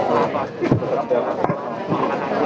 สวัสดีครับ